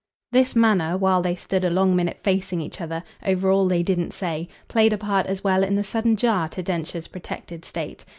This manner, while they stood a long minute facing each other over all they didn't say, played a part as well in the sudden jar to Densher's protected state.